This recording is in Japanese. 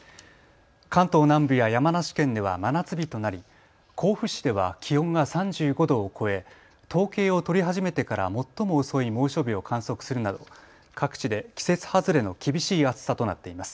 関東南部や山梨県では真夏日となり甲府市では気温が３５度を超え統計を取り始めてから最も遅い猛暑日を観測するなど各地で季節外れの厳しい暑さとなっています。